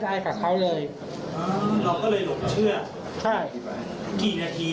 ใช้เวลาประมาณ๒๘ที